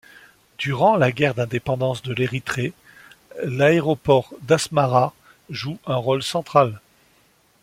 Durant la guerre d'indépendance de l'Érythrée, l'aéroport d'Asmara joue un rôle central.